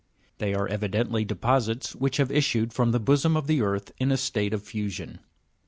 They are evidently deposits which have issued from the bosom of the earth in a state of fusion.